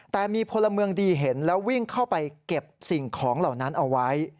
แต่มีพลเมืองดีเห็นแล้ววิ่งเข้าไปเก็บสิ่งของเหล่านั้นเอาไว้